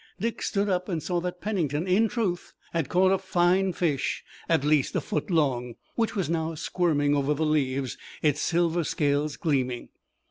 Dick stood up and saw that Pennington, in truth, had caught a fine fish, at least a foot long, which was now squirming over the leaves, its silver scales gleaming.